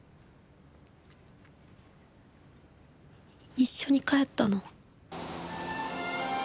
一緒に帰ったの。